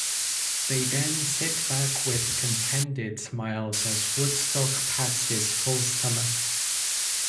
They then sit back with contented smiles as Woodstock pats his full stomach.